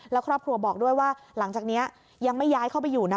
แล้วครอบครัวบอกด้วยว่าหลังจากนี้ยังไม่ย้ายเข้าไปอยู่นะ